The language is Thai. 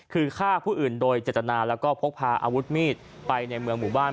คือฆ่าผู้อื่นโดยเจตนาแล้วก็พกพาอาวุธมีดไปในเมืองหมู่บ้าน